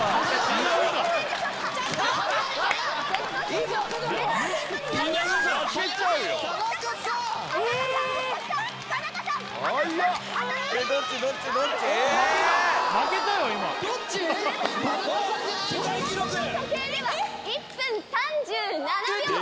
手元の時計では１分３７秒。